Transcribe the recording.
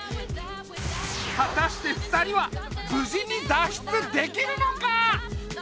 はたして二人はぶじに脱出できるのか？